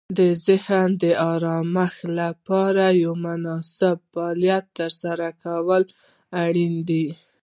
د ذهن د آرامښت لپاره یو مناسب فعالیت ترسره کول اړین دي.